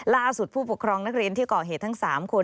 ล่าสุดผู้ปกครองนักเรียนที่ก่อเหตุทั้งสามคน